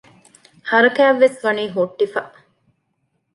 ހަރާކާތްވެސް ވަނީ ހުއްޓިފަ